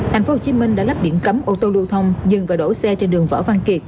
thành phố hồ chí minh đã lắp biển cấm ô tô lưu thông dừng và đổ xe trên đường võ văn kiệt